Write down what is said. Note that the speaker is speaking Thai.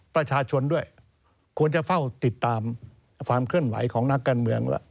ประชาชนด้วยควรจะเฝ้าติดตามความเคลื่อนไหวของนักการเมือง